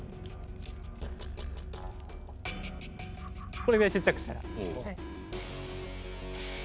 これぐらいちっちゃくしたら。